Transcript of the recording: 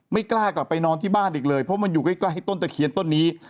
ไม่กล้ากลับไปนอนที่บ้านอีกเลยเพราะมันอยู่ใกล้ต้นตะเคียนต้นนี้